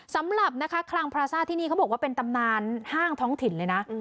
สำหรับนะคะคลังพราซ่าที่นี่เขาบอกว่าเป็นตำนานห้างท้องถิ่นเลยนะ